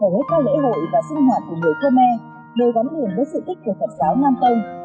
hồi hết các lễ hội và sinh hoạt của người khô nê đôi gắn liền với sự thích của phật giáo nam tông